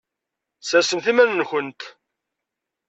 Sersemt iman-nkent!